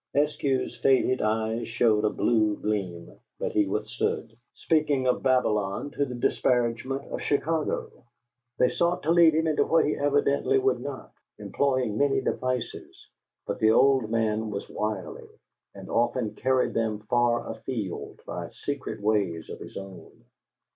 Eskew's faded eyes showed a blue gleam, but he withstood, speaking of Babylon to the disparagement of Chicago. They sought to lead him into what he evidently would not, employing many devices; but the old man was wily and often carried them far afield by secret ways of his own.